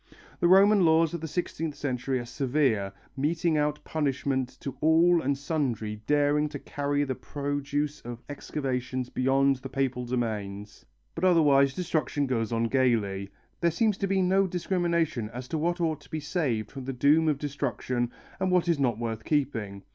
The Roman laws of the sixteenth century are severe, meting out punishments to all and sundry daring to carry the produce of excavations beyond the Papal domains; but otherwise destruction goes on gaily, there seems to be no discrimination as to what ought to be saved from the doom of destruction and what is not worth keeping.